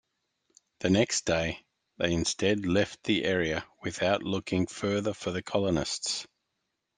The next day, they instead left the area without looking further for the colonists.